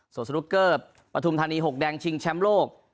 สวทสลุกเกอร์ประธุมธรรมดี๖แดงชิงแชมป์โลก